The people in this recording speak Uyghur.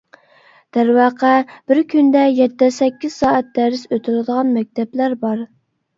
دەرۋەقە، بىر كۈندە يەتتە-سەككىز سائەت دەرس ئۆتۈلىدىغان مەكتەپلەر بار.